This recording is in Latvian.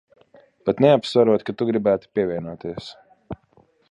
Pat neapsverot, ka tu gribētu pievienoties.